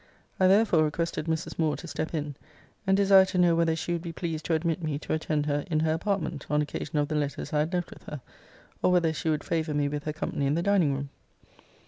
I therefore requested Mrs. Moore to step in, and desire to know whether she would be pleased to admit me to attend her in her apartment, on occasion of the letters I had left with her; or whether she would favour me with her company in the dining room?